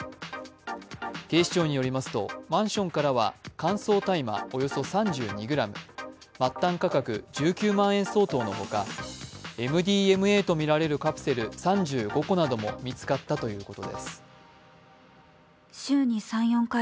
警視庁によりますと、マンションからは乾燥大麻およそ３２ｇ、末端価格１９万円相当の他、ＭＤＭＡとみられるカプセル３５個なども見つかったということです。